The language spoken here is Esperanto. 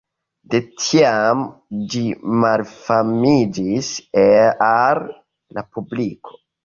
De tiam ĝi malfermiĝis al la publiko.